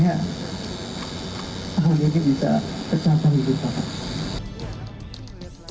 saya menemukan keinginan saya dan akhirnya tahun ini bisa kecapah hidup saya